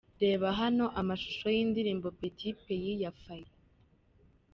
Reba hano amashusho y'indirimbo'Petit Pays'ya Faye .